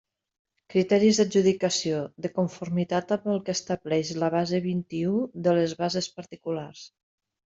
Criteris d'adjudicació: de conformitat amb el que establix la base vint-i-u de les bases particulars.